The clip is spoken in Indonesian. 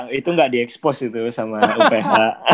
itu mah itu gak di expose gitu sama uph